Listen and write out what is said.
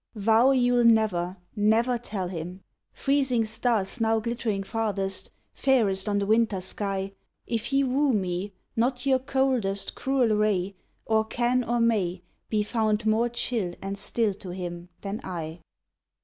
Vow you 'll never, never tell him! Freezing stars now glittering farthest, fairest on the winter sky; If he woo me, Not your coldest, cruel ray Or can or may Be found more chill and still to him than I.